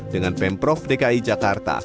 dengan pemprov dki jakarta